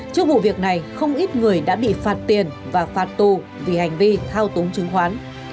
trước vụ việc này không ít người đã bị phạt tiền và phạt tù vì hành vi thao túng chứng khoán